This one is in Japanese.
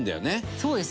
「そうです。